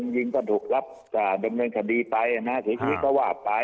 ยิงก็ดูกรับจากดำเนินคดีไปนะฮะศูนย์ชีพีฯก็ว่าไป